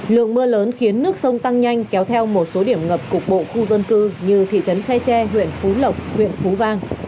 lượng mưa lớn khiến nước sông tăng nhanh kéo theo một số điểm ngập cục bộ khu dân cư như thị trấn khe tre huyện phú lộc huyện phú vang